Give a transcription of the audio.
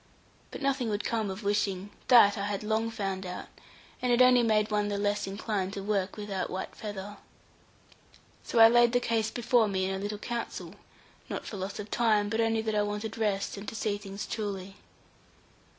But nothing would come of wishing; that I had long found out; and it only made one the less inclined to work without white feather. So I laid the case before me in a little council; not for loss of time, but only that I wanted rest, and to see things truly.